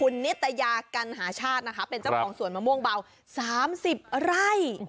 คุณนิตยากัณหาชาตินะคะเป็นเจ้าของสวนมะม่วงเบา๓๐ไร่